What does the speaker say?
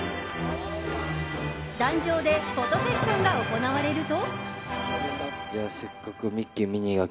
壇上でフォトセッションが行われると。